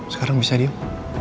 sekarang bisa diam